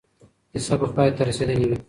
کیسه به پای ته رسېدلې وي.